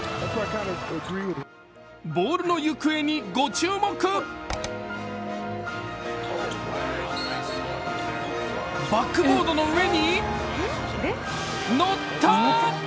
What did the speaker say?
ボールの行方にご注目バックボードの上に乗った！